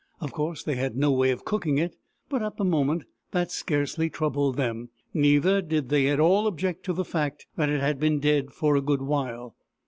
Of course they had no way of cooking it, but at the moment that scarcely troubled them ; neither did they at all object to the fact that it had been dead for a good while.